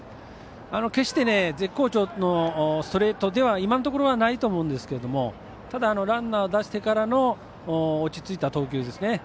決して絶好調のストレートでは今のところはないと思うんですけどただランナーを出してからの落ち着いた投球。